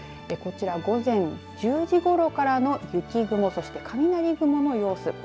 こちら、午前１０時ごろからの雪雲そして雷雲の様子。